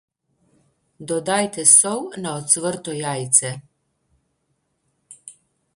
Dodajte sol na ocvrto jajce.